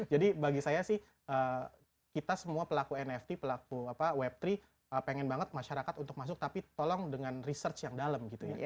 jadi bagi saya sih kita semua pelaku nft pelaku web tiga pengen banget masyarakat untuk masuk tapi tolong dengan research yang dalam gitu ya